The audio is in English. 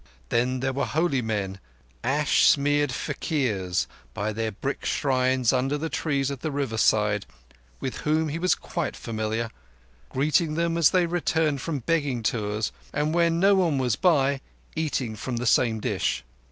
Then there were holy men, ash smeared faquirs by their brick shrines under the trees at the riverside, with whom he was quite familiar—greeting them as they returned from begging tours, and, when no one was by, eating from the same dish.